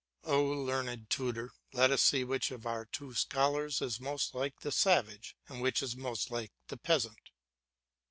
Oh, learned tutor, let us see which of our two scholars is most like the savage and which is most like the peasant.